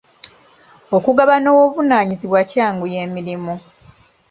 Okugabana obuvunaanyizibwa kyanguya emirimu.